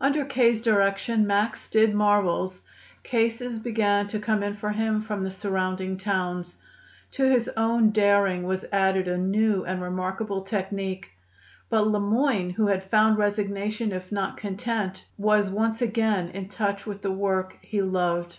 Under K.'s direction, Max did marvels. Cases began to come in to him from the surrounding towns. To his own daring was added a new and remarkable technique. But Le Moyne, who had found resignation if not content, was once again in touch with the work he loved.